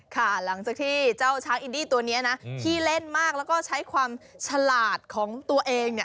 หลังจากที่เจ้าช้างอินดี้ตัวนี้นะขี้เล่นมากแล้วก็ใช้ความฉลาดของตัวเองเนี่ย